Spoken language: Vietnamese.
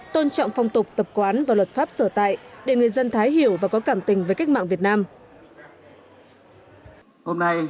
tôn trọng phong tục tập quán và luật pháp sở tại để người dân thái hiểu và có cảm tình với cách mạng việt nam